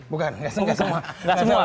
bukan nggak semua